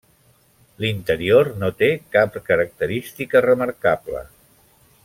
L'interior no té cap característica remarcable.